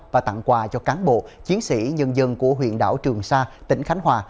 và tặng quà cho cán bộ chiến sĩ nhân dân của huyện đảo trường sa tỉnh khánh hòa